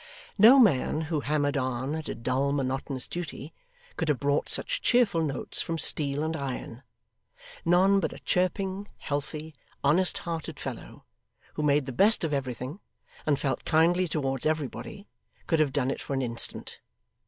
No man who hammered on at a dull monotonous duty, could have brought such cheerful notes from steel and iron; none but a chirping, healthy, honest hearted fellow, who made the best of everything, and felt kindly towards everybody, could have done it for an instant.